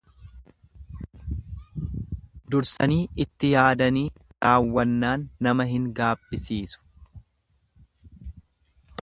Dursanii itti yaadanii raawwannaan nama hin gaabbisiisu.